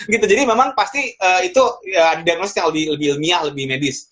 gitu jadi memang pasti itu degless yang lebih ilmiah lebih medis